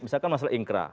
misalkan masalah ingkra